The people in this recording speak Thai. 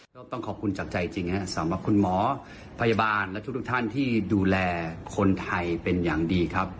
ก็ต้องขอบคุณจากใจจริงครับสำหรับคุณหมอพยาบาลและทุกท่านที่ดูแลคนไทยเป็นอย่างดีครับ